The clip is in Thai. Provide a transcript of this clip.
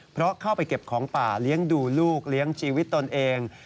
เพราะเข้าไปเก็บของป่าเลี้ยงดูลูกเลี้ยงชีวิตตนเอง